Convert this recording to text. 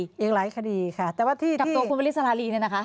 อีกหลายคดีค่ะแต่ว่าที่กับตัวคุณวริสราลีเนี่ยนะคะ